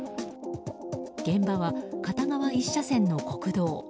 現場は片側１車線の国道。